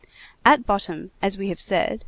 At bottom, as we have said, M.